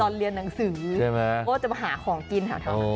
ตอนเรียนหนังสือเพราะว่าจะมาหาของกินเท่านั้นอร่อย